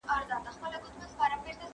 واوره اوس په مځکه باندې سپینه ښکارېده.